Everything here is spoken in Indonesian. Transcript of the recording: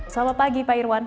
selamat pagi pak irwan